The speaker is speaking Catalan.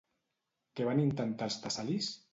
Què van intentar els tessalis?